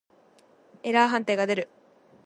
エラー判定が出る。